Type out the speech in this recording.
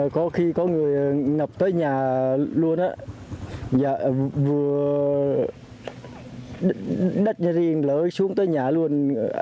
có khi có người ngập tới nhà luôn vừa đất nhà riêng lỡ xuống tới nhà luôn